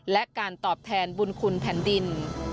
และการตอบแทนบุญคุณแผ่นดิน